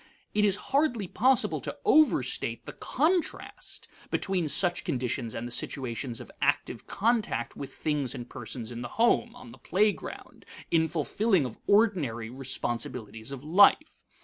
It is hardly possible to overstate the contrast between such conditions and the situations of active contact with things and persons in the home, on the playground, in fulfilling of ordinary responsibilities of life.